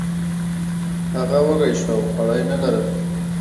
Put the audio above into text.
هغه وږی شو او خواړه یې نه لرل.